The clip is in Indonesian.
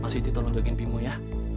mak siti tolong jagain bimbo ya